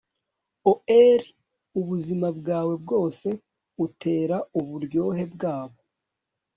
o'er ubuzima bwawe bwose utera uburyohe bwabo